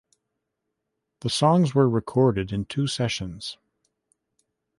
The songs were recorded in two sessions.